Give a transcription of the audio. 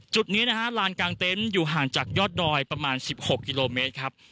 จุดนี้นะฮะลานกลางเต็นต์อยู่ห่างจากยอดดอยประมาณ๑๖กิโลเมตรครับ